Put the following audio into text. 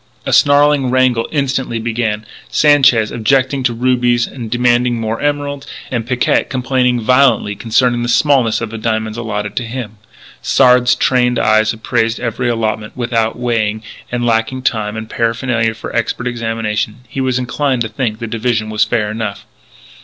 A snarling wrangle instantly began, Sanchez objecting to rubies and demanding more emeralds, and Picquet complaining violently concerning the smallness of the diamonds allotted him. Sard's trained eyes appraised every allotment. Without weighing, and, lacking time and paraphernalia for expert examination, he was inclined to think the division fair enough.